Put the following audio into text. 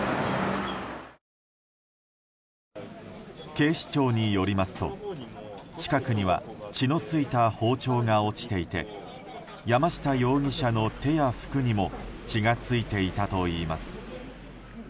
警視庁によりますと、近くには血の付いた包丁が落ちていて山下容疑者の手や服にも血が付いていたといいます。